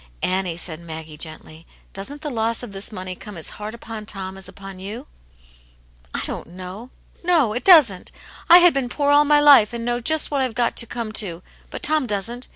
"Annie," said Maggie, gently, "doesn't the loss of this money come as hard upon Tom as upon you ?"" I don't know. No, it doesn't. I had been poor all my life, and know just what I've got to come to ; but Tom doesn't.